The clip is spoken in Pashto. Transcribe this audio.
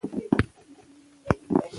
که رښتیا ووایو نو باور نه ماتیږي.